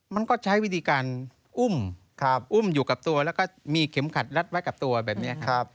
มันก็ใช้วิธีการอุ้มอุ้มอยู่กับตัวแล้วก็มีเข็มขัดรัดไว้กับตัวแบบนี้ครับ